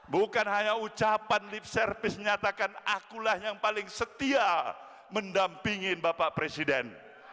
bukan hanya ucapan lip service menyatakan akulah yang paling setia mendampingin bapak presiden